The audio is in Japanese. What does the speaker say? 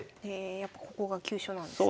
やっぱここが急所なんですね。